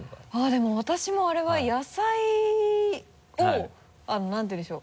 でも私もあれは野菜を何て言うんでしょう？